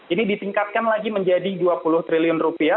ini ditingkatkan lagi menjadi rp dua puluh triliun